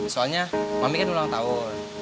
soalnya mami kan ulang tahun